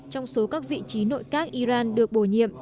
trong số các vị trí nội các iran được bổ nhiệm